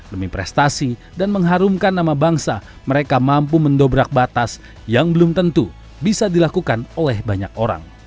demi prestasi dan mengharumkan nama bangsa mereka mampu mendobrak batas yang belum tentu bisa dilakukan oleh banyak orang